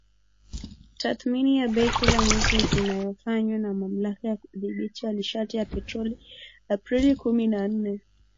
tathmini ya bei kila mwezi inayofanywa na Mamlaka ya Udhibiti wa Nishati na Petroli Aprili kumi na nne